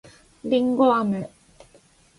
りんごあめ